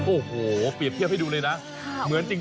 โอ้โหเปรียบเทียบให้ดูเลยนะเหมือนจริง